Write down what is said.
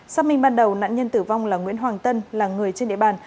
xác minh ban đầu nạn nhân tử vong là nguyễn hoàng tân là người trên địa bàn